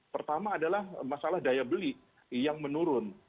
pertama adalah masalah daya beli yang menurun